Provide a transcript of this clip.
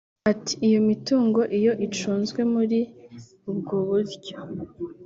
Ati “Iyo mitungo iyo icunzwe muri ubwo buryo